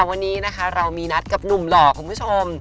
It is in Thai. วันนี้นะคะเรามีนัดกับหนุ่มหล่อคุณผู้ชม